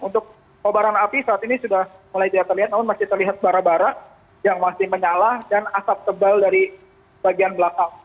untuk kobaran api saat ini sudah mulai tidak terlihat namun masih terlihat bara bara yang masih menyala dan asap tebal dari bagian belakang